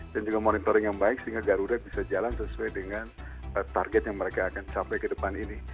dan juga monitoring yang baik sehingga garuda bisa jalan sesuai dengan target yang mereka akan capai ke depan ini